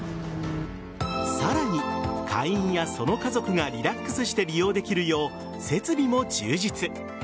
さらに、会員やその家族がリラックスして利用できるよう設備も充実。